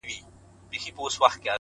هره هڅه د بدلون پیل دی,